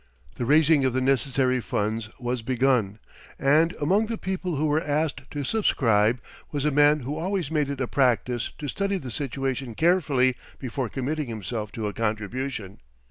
The raising of the necessary funds was begun, and among the people who were asked to subscribe was a man who always made it a practice to study the situation carefully before committing himself to a contribution.